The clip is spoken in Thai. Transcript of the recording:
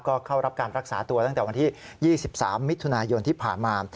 ก็เข้ารับการรักษาตัวตั้งแต่วันที่๒๓มิถุนายนที่ผ่านมา